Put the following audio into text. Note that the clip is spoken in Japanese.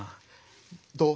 どう？